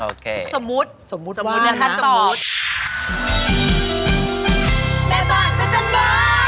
โอเคสมมติสมมติว่านะสมมตินะครับสมมติ